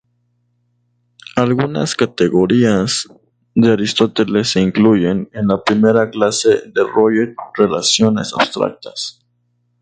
Algunas Categorías de Aristóteles se incluyen en la primera clase de Roget "relaciones abstractas".